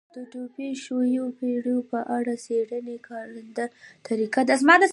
د ډوبو شویو بېړیو په اړه څېړنې کارنده طریقه ده